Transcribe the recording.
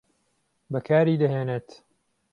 بەکاری دەهێنێت